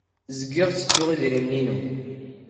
Zgiɣ ttettuɣ idrimen-inu.